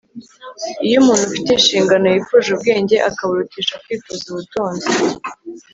iyo umuntu ufite inshingano yifuje ubwenge akaburutisha kwifuza ubutunzi